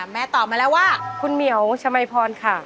ตอบมาแล้วว่าคุณเหมียวชมัยพรค่ะ